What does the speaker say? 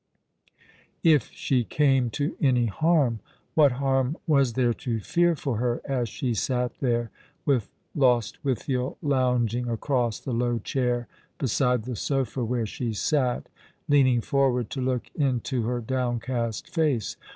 If she came to any harm. What harm was there to fear for her, as she sat there, with Lostwithiel lounging across the low chair beside the sofa where she sat, leaning forward to look into her downcast face